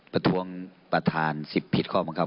ประท้วงประธาน๑๐ผิดข้อบังคับ